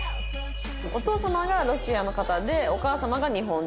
お父様がロシアの方でお母様が日本人。